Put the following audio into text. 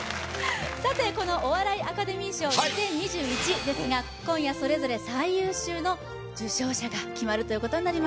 さてこのお笑いアカデミー賞２０２１ですが今夜それぞれ最優秀の受賞者が決まるということになります